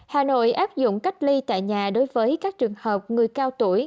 hà nội áp dụng cách ly tại nhà đối với các trường hợp người cao tuổi